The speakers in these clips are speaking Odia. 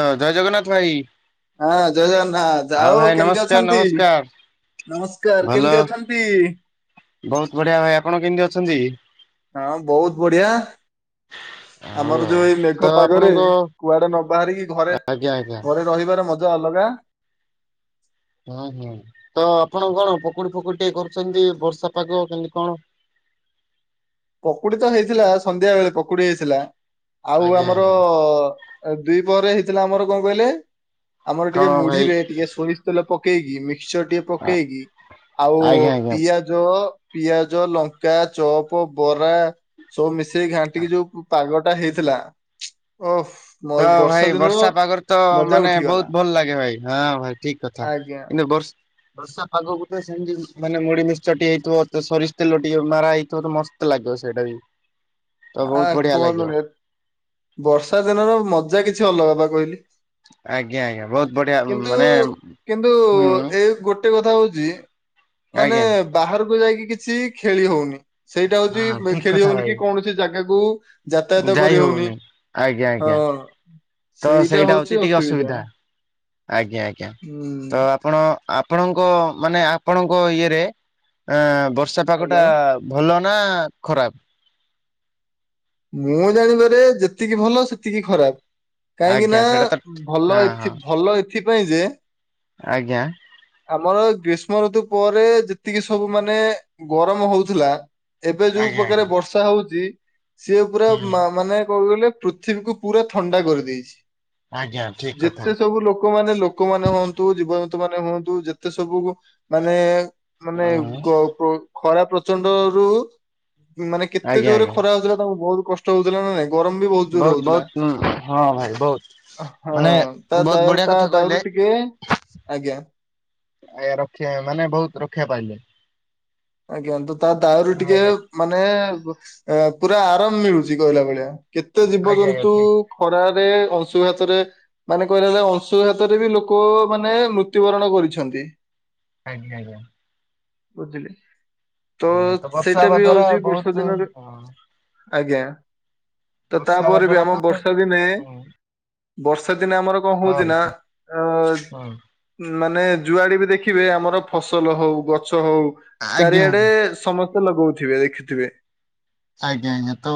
ହଁ ଜୟ ଜଗନ୍ନାଥ ଭାଇ। ହଁ ଜୟ ଜଗନ୍ନାଥ ଆଉ ଭାଇ କେମତି ନମସ୍କାର ଅଛନ୍ତି ନମସ୍କାର ନମସ୍କାର ଭଲ କେମତି ଅଛନ୍ ନ୍ତି। ବହୁତ ବଢିଆ ଭାଇ ଆପଣ କେମିତି ଅଛନ୍ତି। ହଁ ବହୁତ ବଢିଆ। ଆଉ ଆମର ଆଉ। ଯୋଉ ଏଇ ତ ମେଘ ପାଗରେ ଆପଣଙ୍କ କୁଆଡେ ନ ବାହାରିକି ଘରେ ଆଜ୍ଞା ଆଜ୍ଞା ଘରେ ରହିବାର ମଜା ଅଲଗା। ହୁଁ ହୁଁ ତ ଆପଣ କଣ ପକୁଡି ଫକୁଡି ଟିକେ କରୁଛନ୍ତି ବର୍ଷା ପାଗ କେମତି କଣ? ପକୁଡି ତ ହେଇଥିଲା ସନ୍ଧ୍ୟା ବେଳେ ପକୁଡି ହେଇଥିଲା ଆଉ ଆଜ୍ଞା ଆମର ଆଜ୍ଞା। ଆ ଦୁଇ ପହରେ ହେଇଥିଲା ଆମର କଣ କହିଲେ ଆମର ଟିକେ କଣ ଭାଇ ମୁଢିରେ ଟିକେ ସୋରିସ୍ ସ ତେଲ ପକେଇକି ମିକ୍ସଚର ଟିକେ ପକେଇକି ଆଉ ଆଜ୍ଞା ଆଜ୍ଞା। ପିଆ ଜ ପିଆଜ ଲଙ୍କା ଚପ ବରା ସବୁ ମିଶ ସେଇ ଘାଣ୍ଟିକି ଯୋଉ ପାଗ ଟା ହେଇଥିଲା ଓୋହ ତ ଭାଇ ବର୍ଷା ପାଗରେ ତ ମାନେ ଉଠିଗଲା ବହୁତ ଭଲ ଲାଗେ ଭାଇ ହଁ ଭାଇ ଠିକ କଥା। ଆଜ୍ଞା ଏଇନେ ବର୍ ବର୍ଷା ପାଗକୁ ତ ସେମିତି ମାନେ ମୁଢ ମିକ୍ସଚର ଟିକେ ହେଇଥିବ ସୋରିଷ ତେଲ ଟିକେ ମାରା ହେଇଥିବ ତ ମସ୍ ତ ଲାଗିବ ସେଇଟା ବି ତ ଆ ବହୁତ ବଢିଆ ଲାଗିବ। କୁହନ୍ତୁନି ବର୍ଷା ଦିନର ମଜା କିଛି ଅଲଗା ପା କହିଲି। ଆଜ୍ଞା ଆଜ୍ଞା ବହୁତ ବଢିଆ କିନ୍ତୁ ମାନେ କିନ୍ତୁ ହୁଁ ଏଇ ଗୋଟେ ଟେ କଥା ହଉଛି ମାନେ ଆଜ୍ଞା। ବାହାରକୁ ଯାଇକି କିଛି ଖେଳି ହଉନି। ସେଇଟା ହଁ ହଉଛି ଠିକ ଖେଳି କଥା ହଉନି ଭାଇ। କି କୌଣସି ଜାଗାକୁ ଯାତାୟାତ ଯାଇ କରିହଉନି। ହଉନି ଆଜ୍ଞା ଆଜ୍ଞା ତ ସେଇଟା ହଉଛି ଟିକେ ଅସୁବିଧା। ଆଜ୍ଞା ଆଜ୍ଞା ହୁଁ ତ ଆପଣ ଆପଣଙ୍କ ମାନେ ଆପଣଙ୍କ ଇଏରେ ଏଁ ବର୍ଷା ଆଜ୍ଞା ପାଗଟା ଭଲ ନା ଖରାପ। ମୁଁ ଜାଣିବାରେ ଯେତିକି ଭଲ ସେତିକି ଖରାପ। କାହିଁକି ଆଜ୍ଞା ନା ସେଇଟା ତ ଭଲ ହଁ ଏଥି ହଁ ଭଲ ଏଥିପାଇଁ ଯେ ଆଜ୍ଞା। ଆମର ଗ୍ରୀଷ୍ମ ଋତୁ ପରେ ଯେତିକି ସବୁ ମାନେ ଗରମ ହଉଥିଲା। ଏବେ ଯୋଉ ଆଜ୍ଞା ପକାରେ ଆଜ୍ଞା। ବର୍ଷା ହଉଛି ସିଏ ପୁରା ହୁଁ ମା ମାନେ କହିଲେ ପୃଥିବୀକୁୁ ପୁରା ଥଣ୍ଡା କରିଦେଇଛି ଆଜ୍ଞା ଠିକ କଥା ଯେତେ ସବୁ ଲୋକ ଲୋକ ମାନେ ଲୋକମାନେ ହୁଅନ୍ତୁ ଜୀବଜନ୍ତୁ ମାନେ ହୁଅନ୍ତୁ ଯେତେ ସବୁ ମାନେ ମାନେ ଉଁ ଉକ ଉକ ଖରା ପ୍ରଚଣ୍ଡ ରୁ ମାନେ କେତେ ଆଜ୍ଞା ଜୋରେ ଆଜ୍ଞା। ଖରା ହଉଥିଲା ତାଙ୍କୁ ବହୁତ କଷ୍ଟ ହଉଥିଲା ନା ନାଇଁ ଗରମ ବି ବହୁତ ଜୋର ବହୁତ ହଉଥିଲା। ବହୁତ ହଁ ଭାଇ ବହୁତ ହଁ ମାନେ ତା ବହୁତ ଦାଉ ବଢିଆ ତା କଥା କହିଲେ। ଦାଉରୁ ଟିକେ ଆଜ୍ଞା। ଆଜ୍ଞା ରକ୍ଷା ମାନେ ବହୁତ ରକ୍ଷା ପାଇଲେ। ଆଜ୍ଞା ତ ତା ଦାଉରୁ ଟିକେ ଆଜ୍ଞା। ମାନେ ପ ଅ ପୁରା ଆରାମ ମିଳୁଛି କହିଲା ଭଳିଆ। କେତେ ଆଜ୍ଞା ଆଜ୍ଞା ଜୀବଜନ୍ତୁ ଠିକ୍ ଖରାରେ ଅଂଶୁଘାତରେ ମାନେ କହିଲାଳିଆ ଅଂଶୁଘାତରେ ବି ଲୋକ ମାନେ ମୃତ୍ୟୁବରଣ କରିଛନ୍ତି। ଆଜ୍ଞା ଆଜ୍ଞା। ବୁଝିଲେ ତ ଆଜ୍ଞା ବର୍ଷା ସେଇଟା ହେବା ବି ଦ୍ଵାରା ହଉଚି ବହୁତ ବର୍ଷା ଦିନରେ ହଁ ଆଜ୍ଞା, ତ ବର୍ଷା ହେବା ତାପରେ ବି ଦ୍ଵାରା ତ ଆମ ବର୍ଷା ଦିନେ ହଁ ବର୍ଷା ଦିନେ ଆମର କଁ ହଉଚି ନା ହଁ। ଅ ହଁ। ମାନେ ଯୁଆଡେ ବି ଦେଖିବେ ଆମର ଫସଲ ହଉ, ଗଛ ହଉ। ଆଜ୍ଞା ଚାରିଆଡେ ଆଜ୍ଞା ସମସ୍ତେ ଲଗଉଥିବେ ଦେଖିଥିବେ। ଆଜ୍ଞା ଆଜ୍ଞା, ତ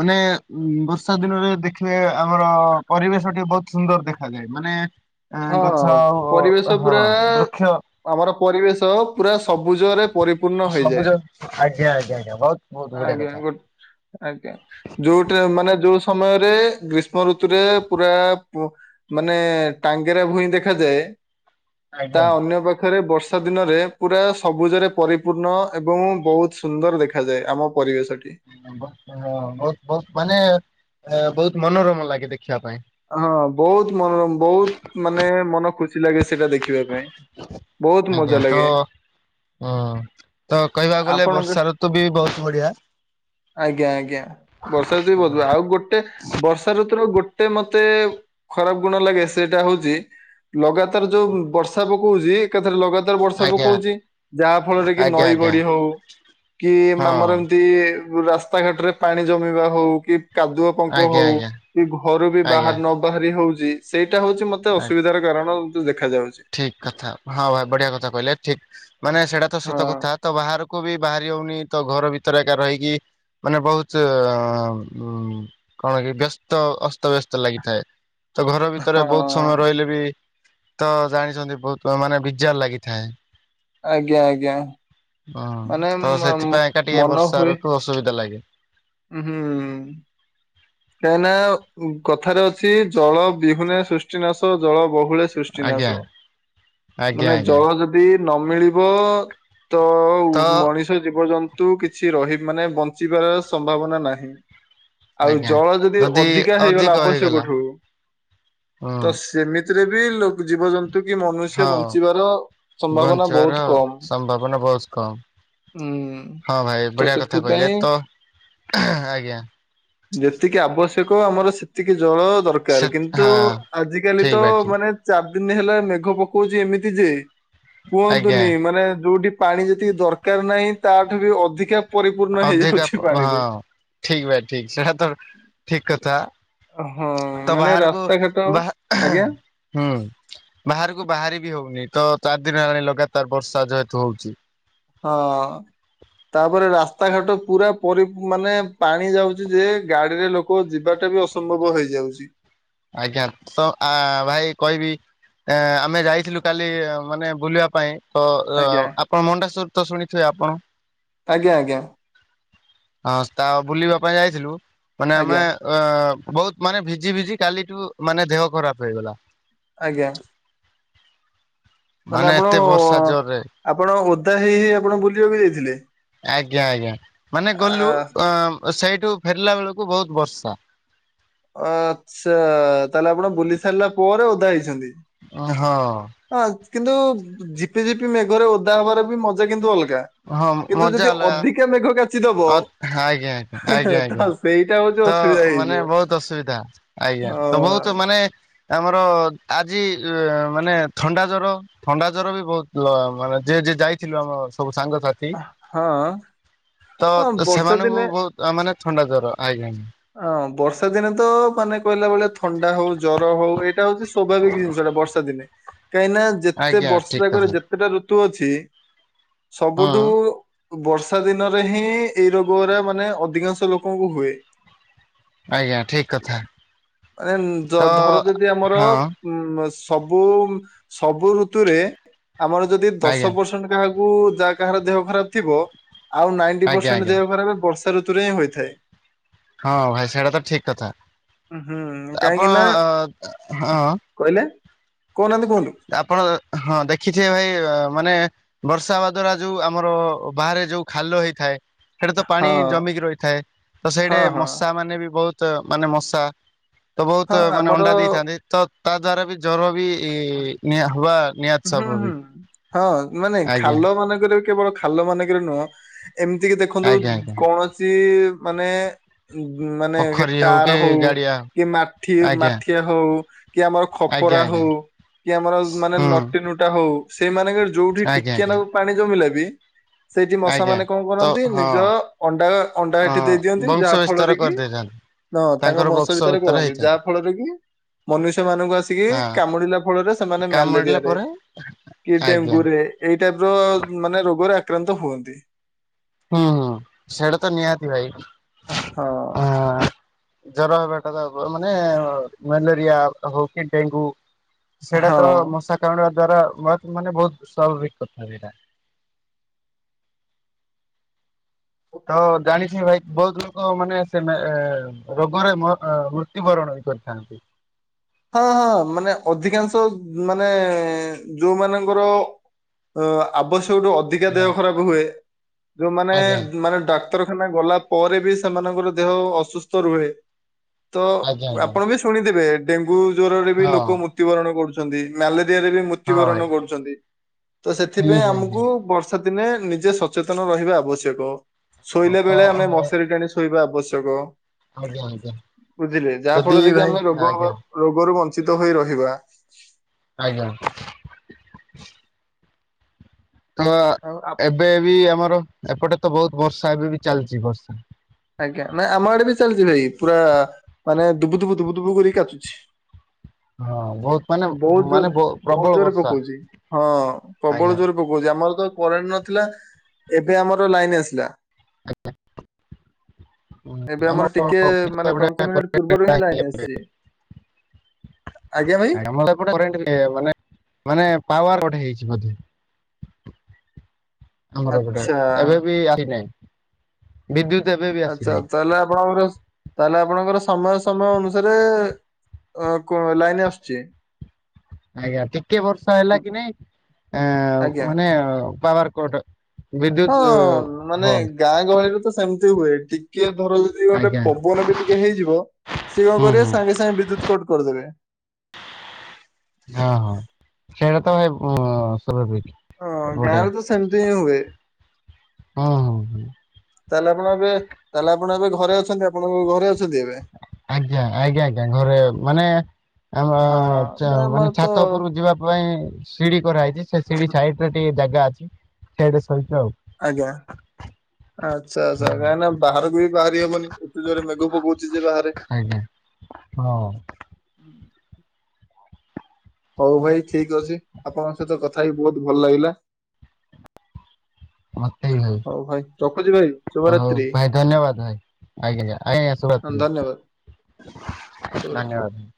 ମାନେ ଉ ବର୍ଷା ଦିନରେ ଦେଖ ବେ ଆମର ପରିବେଶ ଟେ ବହୁତ ସୁନ୍ଦର ଦେଖାଯାଏ ମାନେ ଆଁ ହଁ ଗଛ ପରିବେଶ ହଁ ପୁରା ବୃକ୍ଷ। ଆମର ପରିବେଶ ପୁରା ସବୁଜରେ ପରିପୂର୍ଣ୍ଣ ହେଇଯାଏ, ସବୁଜ ଆଜ୍ଞା ଆଜ୍ଞା ଆଜ୍ଞା ବହୁତ ବହୁତ ବଢିଆ ଆଜ୍ଞା କଥା ଗୋ ଆଜ୍ଞା। ଯୋଉଟା ମାନେ ଯୋଉ ସମୟରେ ଗ୍ରୀଷ୍ମ ଋତୁରେ ପୁରା ମାନେ ଟାଙ୍ଗେରା ଭୁଇଁ ଦେଖାଯାଏ, ତା ଆଜ୍ଞା। ଅନ୍ୟ ପା ପାଖରେ ବର୍ଷା ଦିନରେ ପୁରା ସବୁଜରେ ପରିପୂର୍ଣ୍ଣ ଏବଂ ବହୁତ ସୁନ୍ଦର ଦେଖାଯାଏ, ଆମ ପରିବେଶ ଟି। ବ ହଁ ବହୁତ ବହୁତ ମାନେ ବହୁତ ମନୋରମ ଲାଗେ ଦେଖିବା ପାଇଁ। ହଁ ବହୁତ ମନରମ୍ ବହୁତ ମାନେ ମନ ଖୁସି ଲାଗେ ସେଇଟା ଦେଖିବାକୁ। ବହୁତ ଆଜ୍ଞା ମଜା ଲାଗେ। ତ ହଁ, ତ କହିବାକୁ ଗଲେ ଆପଣଙ୍କ ବର୍ଷା ଋତୁ ବି ବହୁତ ବଢିଆ। ଆଜ୍ଞା ଆଜ୍ଞା, ବର୍ଷା ଋତୁ ବଧୁ ଆଉ ଗୋଟେ ବର୍ଷା ଋତୁର ଗୋ ଟେ ମତେ ଖରାପ ଗୁଣ ଲାଗେ ସେଇଟା ହଉଚି, ଲଗାତାର ଯୋଉ ବର୍ଷା ପକଉଚି ଏକାଥରେ ଲଗାତ ବର୍ଷା ଆଜ୍ଞା ପକଉଚି ଯାହା ଫଳରେ କି ଆଜ୍ଞା ନଈ ଆଜ୍ଞା ବଢି ହଉ କି ଆମର ହଁ ଏମତି ରାସ୍ତାଘାଟ ରେ ପାଣି ଜମିବା ହଉ, କି କାଦୁଅ ପଙ୍କ ଆଜ୍ଞା ହଉ ଆଜ୍ଞା କି ଘରୁ ବି ଆଜ୍ଞା ବାହାର ନ ନ ବାହାରି ହଉଚି ସେଇଟା ହଉଚି ମତେ ଆ ଅସୁବିଧାର କାରଣ। ଦେଖାଯାଉଛି। ଠିକ କଥା, ହଁ ଭାଇ ବଢିଆ କଥା କହିଲେ ଠିକ ମାନେ ସେଇଟା ତ ସତ ହଁ କଥା। ତ ବାହାରକୁ ବି ବାହାରି ହଉନି, ତ ଘର ଭିତରେ ଏକା ରହିକି ମାନେ ବହୁଚ୍ ଉ କଣ କି ବ୍ୟସ୍ତ ଅସ୍ତବ୍ୟସ୍ତ ଲାଗିଥାଏ, ତ ଘର ଭିତରେ ହଁ ବହୁତ ଲେ ବି ତ ଜାଣିଛନ୍ତି ବହୁତ ମାନେ ବିଜାର ଲାଗିଥାଏ। ଆଜ୍ଞା ଆଜ୍ଞା ହଁ, ମାନେ ତ ମ ମ- ସେଥିପାଇଁକା ଟିକେ ବର୍ଷା ଋତୁ ଅସୁବିଧା ଲାଗେ। ଉଁ ହୁଁ। କାହିଁ ନା କଥାରେ ଅଛି ଜଳ ବିହୁନେ ସୃଷ୍ଟି ସୃଷ୍ଟିନାଶ ଜଳ ବହୁଳେ ଆଜ୍ଞା ସୃଷ୍ଟିନାଶ, ଆଜ୍ଞା ମାନେ ଆଜ୍ଞା। ଜଳ ଯ ଦି ନ ମିଳିବ ତ ତ ମଣି ଜୀବଜନ୍ତୁ କିଛି ରହି ମାନେ ବଞ୍ଚିବା ସମ୍ଭାବନା ନାହିଁ। ଆଉ ଜଳ ଯଦି ଅଧିକା ହେଇଗଲା ଆବଶ୍ୟକଠୁ ହୁଁ ତ ସେମି ତିରେ ବି ଲୋ ଜୀବଜନ୍ତୁ ନ୍ତୁ କି ମନୁଷ୍ୟ ହଁ ବଞ୍ଚିବାର ସମ୍ଭାବନା ବଞ୍ଚିବାର ବହୁତ କମ୍। ସମ୍ଭାବନା ବହୁତ କମ୍। ଉଁ ହଁ ଭାଇ ତ ବଢିଆ କଥା କହିଲେ ସେଥିପାଇଁ ତ ଆଜ୍ଞା। ଯେତିକି ଆବଶ୍ୟକ ଆମର ସେତିକି ଜଳ ସେ ଦରକାର କିନ୍ତୁ ହଁ ଆଜିକାଲି ଠିକ ତ ଭାଇ ଠିକ ମାନେ ଚାରଦିନି ହେଲା ମେଘ ପକଉଛି ଏମିତି ଯେ ଆଜ୍ଞା କୁହନ୍ତୁନି ମାନେ ଯୋଉଠି ପାଣି ଯେତିକି ଦରକାର ନାହିଁ ତା ଠୁ ବି ଅଧିକା ପରିପୂର୍ଣ୍ଣ ଅଧିକା ହେଇଯାଉଛି ପାଣିରେ। ହଁ, ଠିକ ଭାଇ ଠିକ ସେଟା ତ ଠିକ କଥା। ହଁ ତ ମାନେ ବାହାରକୁ ରାସ୍ତାଘାଟ ବାଃ ଆଜ୍ଞା ହୁଁ ବାହାରକୁ ବାହାରି ବି ହଉନି ତ ଚାରଦିନି ହେଲାଣି ଲଗାତାର ବର୍ଷା ଯେହେତୁ ହଉଛି। ହଁଅ ତାପରେ ରାସ୍ତାଘାଟ ପୁରା ପରି ମାନେ ପାଣି ଯାଉଛି ଯେ ଗାଡିରେ ଲୋକ କୋଉ ଯିବାଟା ବି ଅସମ୍ଭବ ହେଇଯାଉଛି। ଆଜ୍ଞା ତ ଆ ଭାଇ କହିବି ଏ ଆମେ ଯାଇଥିଲୁ କାଲି ମାନେ ବୁଲିବା ପାଇଁ ତ ଅ ଆଜ୍ଞା ଆପଣ ମଣ୍ଡାସରତ ଶୁଣିଥିବେ ଆପଣ ଆଜ୍ଞା ଆଜ୍ଞା ହଁ ସ୍ତା ତା ବୁଲିବା ପାଇଁ ଯାଇଥିଲୁ ମାନେ ଆମେ ଆଜ୍ଞା ଅ ବହୁତ ମାନେ ଭିଜି ଭିଜି କାଲିଠୁ ମାନେ ଦେହ ଖରାପ ହେଇଗଲା। ଆଜ୍ଞା ମାନେ ଆପଣ ଏତେ ବର୍ଷା ଜୋରରେ ଆପଣ ଓଦା ହେଇ ହେଇ ଆପଣ ବୁଲିବାକୁ ଯାଇଥିଲେ। ଆଜ୍ଞା ଆଜ୍ଞା ମାନେ ଆ ଗଲୁ ଅ- ସେଇଠୁ ଫେରିଲା ବେଳକୁ ବହୁତ୍ ବର୍ଷା ଆଛା ତାହେଲେ ଆପଣ ବୁଲି ସାରିଲା ପରେ ଓଦା ହେଇଛନ୍ତି। ଅ ହଁ ହଁ କିନ୍ତୁ ଝିପି ଝିପି ମେଘରେ ଓଦା ହବାର ବି ମଜା କିନ୍ତୁ ଅଲଗା ଗା କିନ୍ତୁ ଯଦି ଅଧିକା ମେଘ କା ଅଧା ଆଜ୍ଞା ଆଜ୍ଞା ଆଜ୍ଞା ଆଜ୍ଞା ତ ସେଇଟା ହଉଚି ତ ମାନେ ବହୁତ ଅସୁବିଧା ଆଜ୍ଞା ଅ ତ ବହୁତ ମାନେ ଆମର ଆଜି ଏ ମାନେ ଥଣ୍ଡା ଜର ଥଣ୍ଡା ଜ୍ୱର ବି ବହୁତ ମାନେ ଯିଏ ଯିଏ ଯାଇଥିଲୁ ଆମ ସବୁ ସାଙ୍ଗସାଥି ତି ହଁ ତ ହଁ ବର୍ଷା ସେମାନଙ୍କୁ ଦିନେ ବହୁତ ମାନେ ଥଣ୍ଡା ଜର ଆଜ୍ଞା ଅଁ ବର୍ଷା ଦିନେ ତ ମାନେ କହିଲା ଭଳିଆ ଥଣ୍ଡା ହଉ ଜର ହଉ ଏଇଟା ହଉଛି ସ୍ୱାଭାବିକ ଜିନିଷଟା ବର୍ଷା ଦିନେ କାହିଁନା ଯେତେ ଆଜ୍ଞା ଠିକ ବର୍ଷ କରେ କଥା ଯେତେଟା ଋତୁ ଅଛି ହଁ ସବୁଠୁ ବର୍ଷା ଦିନରେ ହିଁ ଏଇ ରୋଗ ଉରା ମାନେ ଅଧିକାଂଶ ଲୋକଙ୍କୁ ହୁଏ। ଆଜ୍ଞା ଠିକ ହେଲା କଥା ଆରେ ନେ ଯ ତ ଧର ଯଦି ଆମର ହଁ ଉ ସବୁ ସବୁ ଋତୁରେ ଆମର ଯଦି ଦଶ ଆଜ୍ଞା ପରସେଣ୍ଟ କାହାକୁ ଯାହା କାହାର ଦେହ ଖରାପ ଥିବ ଆଉ ନାଣ୍ଟୀ ଆଜ୍ଞା ପରର୍ସେଣ୍ଟ ଆଜ୍ଞା ଦେହ ଖରାପ ବରଶ୍ ଶୀତ ଋତୁରେ ହିଁ ହୋଇଥାଏ। ହଁ ଭାଇ ସେଇଟା ତ ଠିକ କଥା ହୁଁ ଆପଣ ଅ ହଁ କଣ କହିଲେ କହୁ ନାହାନ୍ତି କୁହନ୍ତୁ? ଆପଣ ହଁ ଦେଖିଥିବେ ଭାଇ ମାନେ ବର୍ଷା ହବା ଦ୍ଵାରା ଯୋଉ ଆମର ବାହାରେ ଯୋଉ ଖାଲ ହେଇଥାଏ। ସେଇଠେ ତ ପାଣି ହଁ ଜମିକି ରହିଥାଏ ତ ସେଇଠେ ହଁ ହଁ ମଶା ମାନେ ବି ବହୁତ ମାନେ ମଶା ତ ବହୁତ ହଁ ମାନେ ଆମର ଅଣ୍ଡା ଦେଇଥାନ୍ତି। ତ ତା ଦ୍ଵାରା ବି ଜ୍ଵର ବି ନିହା ହୁଆ ବା ନିହାତି ହୁଁ ସବବି ହୁଁ ହଁ ମାନେ ଖାଲ ମାନଙ୍କରେ କେବଳ ଖାଲ ମାନଙ୍କରେ ନୁହଁ ଏମିତି କି ଦେଖନ୍ତୁ ଆଜ୍ଞା ଆଜ୍ଞା। କୌଣସି ମାନେ ମାନେ ପୋଖରୀ କି ଟାର ହଉ ଗାଡିଆ କି ମାଠି ଆଜ୍ଞା ମାଠିଆ ହଉ କି ଆମର ଆଜ୍ଞା ଖପରା ଆଜ୍ଞା ହଉ କି ଆମର ମାନେ ହୁଁ ନଟି ନୁଟା ହଉ ସେଇମାନଙ୍କ ଯୋଉଠି ଆଜ୍ଞା ଟିକିଏ ଆଜ୍ଞା। ନାକୁ ପାଣି ଜମିଲା ବି। ସେଇଠି ମଶା ଆଜ୍ଞା ମାନେ କଣ ତ କରନ୍ତି ହଁ ନିଜ ଅଣ୍ଡା ଅଣ୍ଡା ଅ ଏଠି ଦେଇ ଦିଅନ୍ତି ବଂଶ ଯାହା ବିସ୍ତାର ଫଳରେ କି। କରିଦେଇଥାନ୍ତି [unintelligible] ତାଙ୍କ ତାଙ୍କର ମସ ବଂଶ ଭିତରେ କରନ୍ତି ହେଇଥାଏ। ଯାହା ଫଳରେ କି ମନୁଷ୍ୟ ମାନଙ୍କୁ ଆସିକି ହଁ କାମୁଡିଲା ଫ ଫଳରେ ସେମାନେ ମ୍ୟାଲେରିଆ କାମୁଡ଼ିଲେ ପରେ କି ଆଜ୍ଞା ଡେଙ୍ଗୁ ରେ ଏ ଏଇ ଟାଇପ୍ ର ମାନେ ରୋଗରେ ଆକ୍ରାନ୍ତ ହୁଅନ୍ତି। ହଁ, ହଁ ସେଇଟା ତ ନିହାତି ଭାଇ ହଁ ଅ,। ଜର ହେବାଟା ତ ହବ, ମାନେ ମ୍ୟାଲେରିଆ ହଉ କି ଡେଙ୍ଗୁ ସେଇଟା ତ ହଁ। ମଶା କାମ୍ବୁଡିବା ଦ୍ଵାରା ମତ୍ ମାନେ ବହୁତ ସ୍ୱାଭାବିକ କଥା ସେଇଟା। ତ ଜାଣିଛି ଭାଇ ବହୁତ ଲୋକ ମାନେ ସେ ମେ ଏ, ରୋଗରେ ମ-ଅ, ମୃତ୍ୟୁବରଣ ବି କରିଥାନ୍ତି। ହଁ ହଁ ମାନେ ଅଧିକାଂଶ ମାନେ ଯୋଉମାନଙ୍କର ଅ, ଆବଶ୍ୟକଠୁ ଅଧିକା ଦେହ ହଁ ଖରାପ ହୁଏ, ଯୋଉମାନେ ଆଜ୍ଞା ଜୁ-ମାନେ ଡା କ୍ତରଖାନା ଗଲା ପରେ ବି ସେମାନଙ୍କର ଦେହ ଅସୁସ୍ଥ ରୁହେ, ତ ଆଜ୍ଞା ଆଜ୍ଞା ଆପଣ ବି ଶୁଣିଥିବେ ଡେଙ୍ଗୁ ଜ୍ୱରରେ ବି ଲୋକ ହଁ ମୃତ୍ୟୁବରଣ କରୁଛନ୍ତି। ମ୍ୟାଲେରିଆରେ ବି ମୁ ହଁ ଭାଇ ମୃତ୍ଯୁବରଣ କରୁଛନ୍ତି, ତ ହୁଁ ସେଥିପାଇଁ ହୁଁ ଆମକୁ ହୁଁ। ବର୍ଷ ଷା ଦିନେ ନିଜେ ସଚେତନ ରହିବା ଆବଶ୍ୟକ। ଶୋଇଲା ବେଳେ ଆମେ ମଶାରୀ ଟାଣି ଶୋ ଶୋଇବା ଆବଶ୍ୟକ, ଆଜ୍ଞା ଆଜ୍ଞା ବୁଝିଲେ? ଯାହା ଯଦି ଫଳରେ କି ଭାଇ ଆମେ ରୋଗ ଆଜ୍ଞା [unintelligible] ରୋଗରୁ ବଞ୍ଚିତ ହୋଇ ରହିବା। ଆଜ୍ଞା। ତ ଆ ଆଉ ଆପ୍ ଏବେ ବି ଆମର ଏପଟେ ତ ବହୁତ ବର୍ଷା ଏବେ ବି ଚାଲିଚି ବର୍ଷା। ଆଜ୍ଞା ନା ଆମ ଆଡେ ବି ଚାଲିଚି ଭାଇ, ପୁରା ମାନେ ଦୁବୁ ଦୁବୁ ଦୁବୁ ଦୁବୁ କରିକି କାଚୁଛି। ହଁ ବହୁତ ମାନେ ବହୁତ ମାନେ ଜୋରେ, ପ୍ରବଳ ବହୁତ ଜୋରେ ବର୍ଷା ପକଉଛି, ହଁ ଆଜ୍ଞା ପ୍ରବଳ ଜୋର ପ କଉଚି, ଆମର ତ କରେଣ୍ଟ ନଥିଲା, ଏବେ ଆମର ଲାଇନ ଆସିଲା। ଏବେ ଆମ ଆମର ଟିକେ ମାନେ ପାଞ୍ଚ ମିନିଟ୍ ପୂର୍ବରୁ ଏପଟେ ହିଁ ଲାଇନ ଆସିଛି। ଆଜ୍ଞା, ଭାଇ। ଆମର ଏପଟେ କରେଣ୍ଟ ବି [inaudible] ମାନେ ମାନେ ପାୱାର କଟ୍ ହେଇଛି ବୋଧେ। ଆମର ଏପଟେ ଆଚ୍ଛା ଏବେ ବି ଆସି ନାହିଁ, ବିଦ୍ୟୁତ ଏବେ ବି ଆଚ୍ଛା ଆସିନାହିଁ ତାହେଲେ ଆପଣଙ୍କର ତାହେଲେ ଆପଣଙ୍କର ସମୟ ସମୟ ଅନୁସାରେ ଅ, କଣ ଲାଇନ ଆସୁଛି? ଆଜ୍ଞା, ଟିକେ ବର୍ଷା ହେଲା କି ନାଇଁ ଏଁ, ଆଜ୍ଞା ମାନେ ପାବାର କଟ୍। ହଁ ମାନେ ଗାଁ ଗହଳିରେ ତ ସେମିତି ହୁଏ ଟିକେ ଧର ଯି ଗୋଟେ ଆଜ୍ଞା ପବନ ବି ଟିକେ ହେଇଯିବ ସିଏ କଣ ହୁଁ କରିବେ ହୁଁ ସାଙ୍ଗେ ସାଙ୍ଗେ ବିଦ୍ୟୁତ କଟ୍ କରିଦେବେ। ହଁ, ହଁ ସେଇଟା ତ ଭାଇ ଅଁ, ଅସଲ। [unintelligible] ହଁ ଗାଁରେ ତ ସେମତି ହିଁ ହୁଏ। ହଁ ହଁ ହଁ। ତାହେଲେ ଆପଣ ଏବେ, ତାହେଲେ ଆପଣ ଏବେ ଘରେ ଅଛନ୍ତି, ଆପଣଙ୍କ ଘରେ ଅଛନ୍ତି ଏବେ? ଆଜ୍ଞା, ଆଜ୍ଞା, ଆଜ୍ଞା ଘରେ ମାନେ ଆମ ହଁ ନା ଆମର ଚ-ମାନେ ତ ଛାତ ଉପରକୁ ଯିବା ପାଇଁ ସିଡି କରାହେଇଚି, ସେ ସିଡି ସାଇଟ୍ ରେ ଟିକେ ଜାଗା ଅଛି, ସେଇଠି ଶୋଇଚୁ ଆଉ। ଆଜ୍ଞା। ଆଚ୍ଛା, ଆଚ୍ଛା ହୁଁ, କାହିଁକି ନା ବାହାରକୁ ବି ବାହାରି ହବନି, ଏତେ ଜୋରେ ମେଘ ପକଉଚି ଯେ ବାହାରେ। ଆଜ୍ଞା। ହଁ। ହଉ ଭାଇ ଠିକ ଅଛି, ଆପଣଙ୍କ ସହିତ କଥା ହେଇ ବହୁତ ଭଲ ଲାଗିଲା। ମୋତେ ବି ଭାଇ। ହଉ ଭାଇ ରଖୁଚି। ହଉ ଭାଇ ଧନ୍ୟବାଦ ଭାଇ ଆଜ୍ଞା ଆଜ୍ଞା ଶୁରାତି। ଧନ୍ୟବାଦ ଶୁଭରାତ୍ରି ଧନ୍ୟବାଦ।